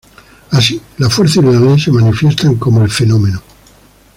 Así, la fuerza y la ley se manifiestan como el fenómeno.